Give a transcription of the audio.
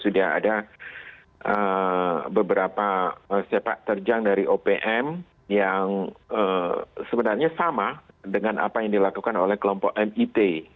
sudah ada beberapa sepak terjang dari opm yang sebenarnya sama dengan apa yang dilakukan oleh kelompok mit